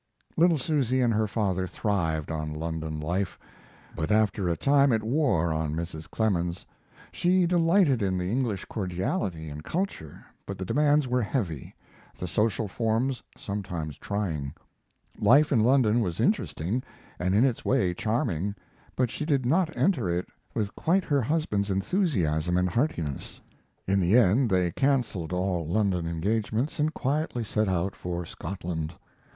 Little Susy and her father thrived on London life, but after a time it wore on Mrs. Clemens. She delighted in the English cordiality and culture, but the demands were heavy, the social forms sometimes trying. Life in London was interesting, and in its way charming, but she did not enter into it with quite her husband's enthusiasm and heartiness. In the end they canceled all London engagements and quietly set out for Scotland.